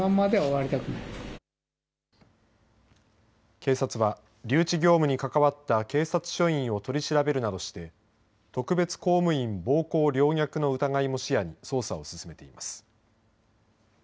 警察は、留置業務に関わった警察署員を取り調べるなどして特別公務員暴行陵虐の疑いも視野に捜査を進めています。